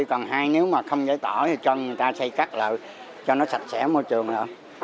còn hai nếu mà không giấy tỏi thì cho người ta xây cắt lại cho nó sạch sẽ môi trường nữa